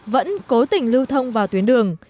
vẫn cố tình lưu thông vào tuyến đường